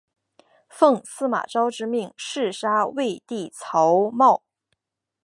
奉司马昭之命弑害魏帝曹髦。